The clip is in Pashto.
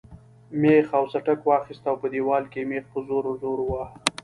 مېخ او سټک واخیست او په دیوال کې یې مېخ په زور زور واهه.